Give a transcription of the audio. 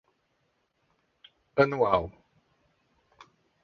anual